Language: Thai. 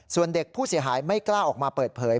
ส่วนเด็กผู้เสียหายไม่กล้าออกมาเปิดเผย